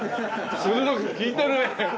鋭く聞いてるねえ。